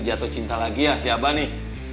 jatuh cinta lagi ya si abai nih